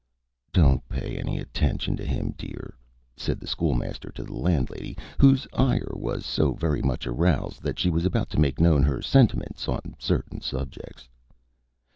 "Don't pay any attention to him, my dear," said the School Master to the landlady, whose ire was so very much aroused that she was about to make known her sentiments on certain subjects.